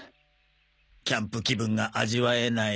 キャンプ気分が味わえない。